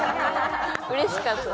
うれしかった。